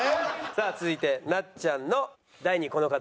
さあ続いてなっちゃんの第２位この方です。